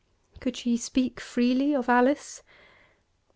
Could she speak freely of Alice?